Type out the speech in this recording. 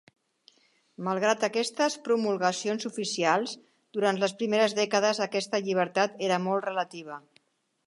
Malgrat aquestes promulgacions oficials, durant les primeres dècades aquesta llibertat era molt relativa.